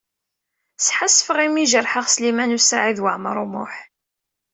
Sḥassfeɣ imi ay jerḥeɣ Sliman U Saɛid Waɛmaṛ U Muḥ.